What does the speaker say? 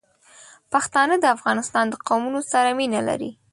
پښتانه د افغانستان د قومونو سره مینه لري.